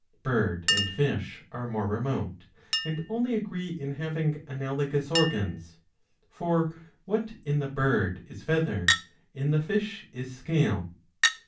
Bird and Fish are more remote and only agree in having analogous organs ; for what in the bird is feather, in the fish is scale.